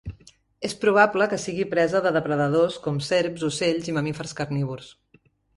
És probable que sigui presa de depredadors com serps, ocells i mamífers carnívors.